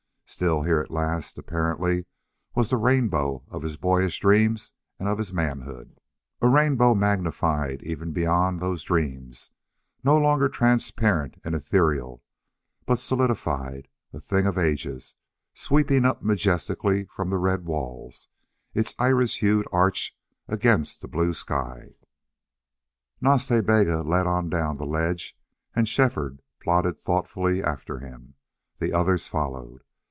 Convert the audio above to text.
Still, here at last, apparently, was the rainbow of his boyish dreams and of his manhood a rainbow magnified even beyond those dreams, no longer transparent and ethereal, but solidified, a thing of ages, sweeping up majestically from the red walls, its iris hued arch against the blue sky. Nas Ta Bega led on down the ledge and Shefford plodded thoughtfully after him. The others followed.